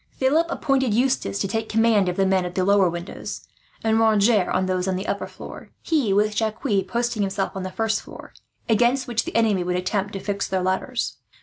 Philip appointed Eustace to take the command of the men at the lower windows; and Roger of those on the upper floor; he, with Jacques, posting himself on the first floor, against which the enemy would attempt to fix their ladders.